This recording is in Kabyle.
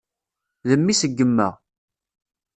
D mmi-s n yemma.